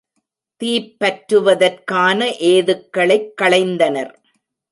தீப்பற்றுவதற்கான ஏதுக்களைக் களைந்தனர்.